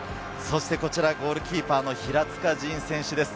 こちら、ゴールキーパーの平塚仁選手です。